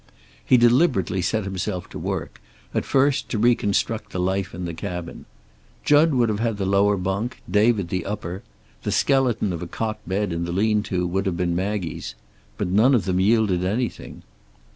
He deliberately set himself to work, at first, to reconstruct the life in the cabin. Jud would have had the lower bunk, David the upper. The skeleton of a cot bed in the lean to would have been Maggie's. But none of them yielded anything.